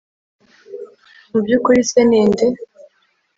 Mu by ukuri se ni nde